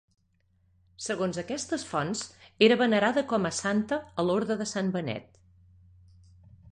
Segons aquestes fonts, era venerada com a santa a l'Orde de Sant Benet.